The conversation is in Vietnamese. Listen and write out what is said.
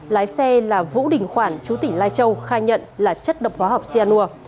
lái xe là vũ đình khoản chú tỉnh lai châu khai nhận là chất độc hóa học cyanur